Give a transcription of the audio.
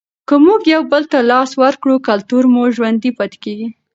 که موږ یو بل ته لاس ورکړو کلتور مو ژوندی پاتې کیږي.